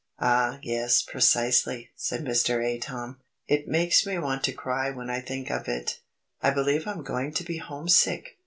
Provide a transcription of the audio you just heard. "Ah, yes, precisely," said Mr. Atom. "It makes me want to cry when I think of it. I believe I'm going to be homesick!"